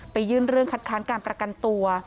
ยื่นเรื่องคัดค้านการประกันตัว